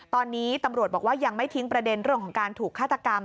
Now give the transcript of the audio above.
ตอนนี้ตำรวจบอกว่ายังไม่ทิ้งประเด็นเรื่องของการถูกฆาตกรรม